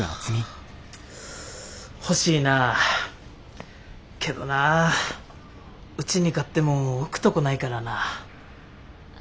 欲しいなぁけどなうちに買っても置くとこないからな。